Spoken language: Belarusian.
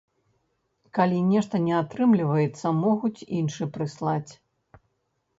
Калі нешта не атрымліваецца, могуць іншы прыслаць.